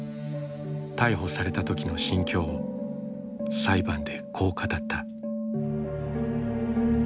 逮捕された時の心境を裁判でこう語った。